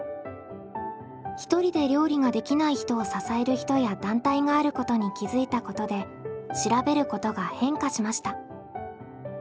ひとりで料理ができない人を支える人や団体があることに気付いたことで「調べること」が変化しました。